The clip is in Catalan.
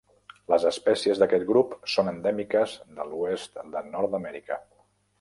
Les espècies d'aquest grup són endèmiques de l'oest de Nord-amèrica.